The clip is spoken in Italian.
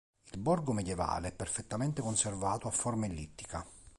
Il borgo medievale è perfettamente conservato a forma ellittica.